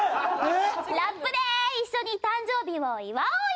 ラップで一緒に誕生日を祝おうよ！